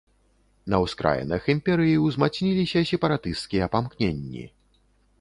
На ўскраінах імперыі ўзмацніліся сепаратысцкія памкненні.